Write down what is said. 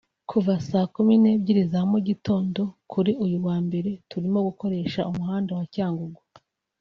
“Kuva saa kumi n’ebyri za mu gitondo kuri uyu wa mbere turimo gukoresha umuhanda wa Cyangugu